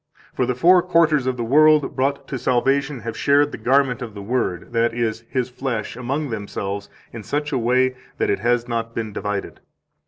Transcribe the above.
For the four quarters of the world, brought to salvation, have shared the garment of the Word, that is, His flesh, among themselves in such a way that it has not been divided.